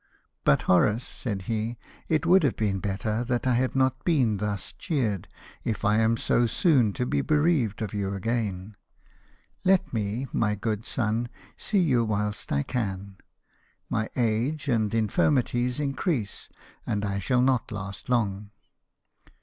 "But, Horace," said he, "it would have been better E 50 LIFE OF NELSON. that I had not been thus cheered, if I am so soon to be bereaved of you again. Let me, my good son, see you whilst I can. My age and infirmities increase, and I shall not last long."